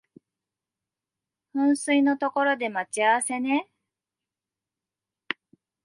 噴水の所で待ち合わせね